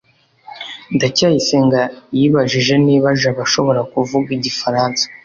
ndacyayisenga yibajije niba jabo ashobora kuvuga igifaransa